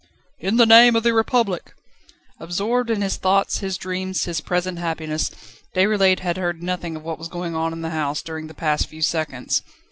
"In the name of the Republic!" Absorbed in his thoughts, his dreams, his present happiness, Déroulède had heard nothing of what was going on in the house, during the past few seconds.